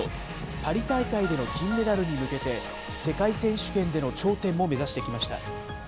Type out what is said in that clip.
パリ大会での金メダルに向けて、世界選手権での頂点も目指してきました。